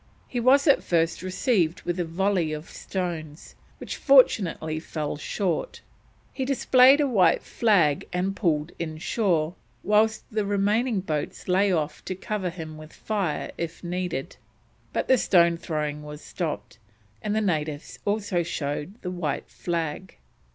He was at first received with a volley of stones, which fortunately fell short; he displayed a white flag and pulled inshore, whilst the remaining boats lay off to cover him with their fire if needed, but the stone throwing was stopped, and the natives also showed the white flag.